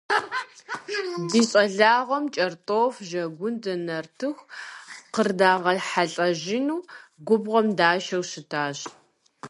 Ди щӏалэгъуэм кӏэртӏоф, жэгундэ, нартыху къырдагъэхьэлӏэжыну губгъуэм дашэу щытащ.